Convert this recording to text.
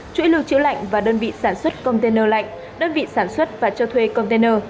chuỗi lưu trữ lạnh và đơn vị sản xuất container lạnh đơn vị sản xuất và cho thuê container